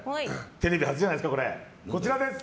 テレビ初じゃないですか、これ。